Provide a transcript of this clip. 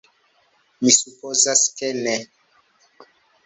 Mi supozas, ke ne.